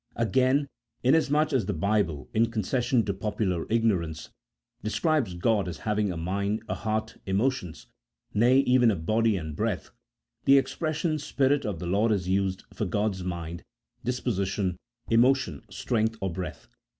Again, inasmuch as the Bible, in concession to* CHAP. I.] OP PROPHECY. 23 popular ignorance, describes God as having a mind, a heart, emotions — nay, even a body and breath — the expression Spirit of the Lord is used for God's mind, disposition, emotion, strength, or breath.